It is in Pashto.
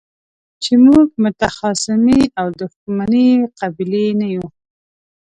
چې موږ متخاصمې او دښمنې قبيلې نه يو.